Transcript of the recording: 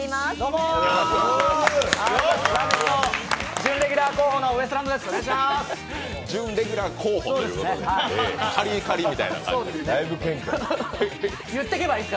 準レギュラー候補のウエストランドでございます。